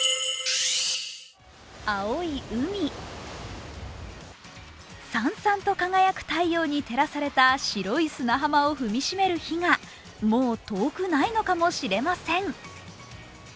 青い海、さんさんと輝く太陽に照らされた白い砂浜を踏みしめる日がもう遠くないのかもしれません。